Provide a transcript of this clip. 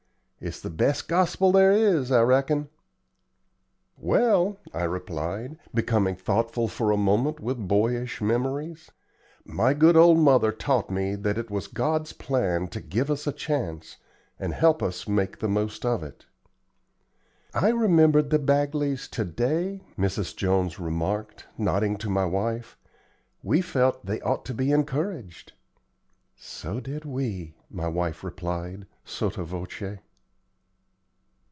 It's the best gospel there is, I reckon." "Well," I replied, becoming thoughtful for a moment with boyish memories, "my good old mother taught me that it was God's plan to give us a chance, and help us make the most of it." "I remembered the Bagleys to day," Mrs. Jones remarked, nodding to my wife. "We felt they ought to be encouraged." "So did we," my wife replied, sotto voce.